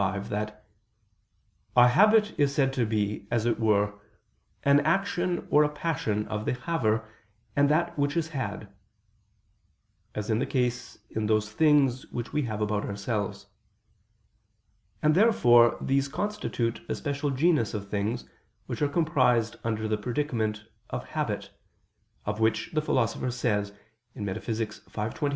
25) that "a habit is said to be, as it were, an action or a passion of the haver and that which is had"; as is the case in those things which we have about ourselves. And therefore these constitute a special genus of things, which are comprised under the predicament of "habit": of which the Philosopher says (Metaph. v, text.